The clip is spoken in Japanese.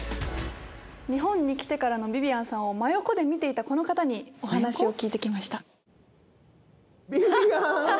日本に来てからのビビアンさんを真横で見ていたこの方にお話を聞いて来ました。